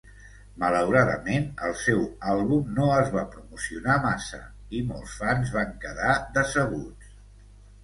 Malauradament, el seu àlbum no es va promocionar massa i molts fans van quedar decebuts.